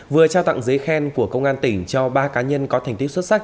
vừa trao tặng giấy khen của công an tỉnh cho ba cá nhân có thành tích xuất sắc